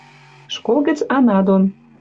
Школ гӹц Ана дон